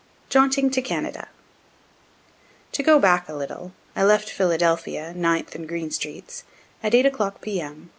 JAUNTING TO CANADA To go back a little, I left Philadelphia, 9th and Green streets, at 8 o'clock P.M.